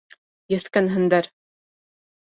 Еҫкәнһендәр.